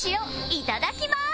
いただきます！